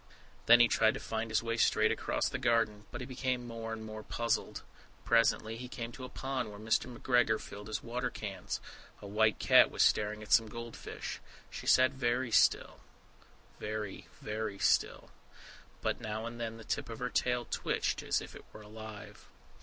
Then he tried to find his way straight across the garden, but he became more and more puzzled. Presently, he came to a pond where Mr. McGregor filled his water cans. A white cat was staring at some goldfish; she sat very, very still, but now and then the tip of her tail twitched as if it were alive.